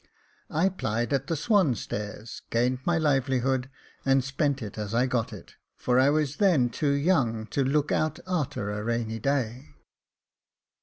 I plied at the Swan Stairs, gained my livelihood, and spent it as I got it ; for I was then too young to look out a'ter a rainy day.